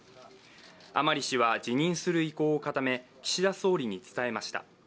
甘利氏は辞任する意向を固め岸田総理に伝えました。